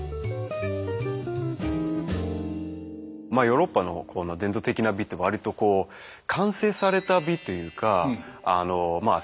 ヨーロッパの伝統的な美って割とこう完成された美というかまあ